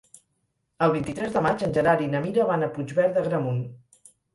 El vint-i-tres de maig en Gerard i na Mira van a Puigverd d'Agramunt.